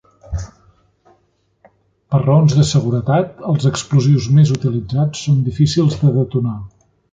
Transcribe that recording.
Per raons de seguretat, els explosius més utilitzats són difícils de detonar.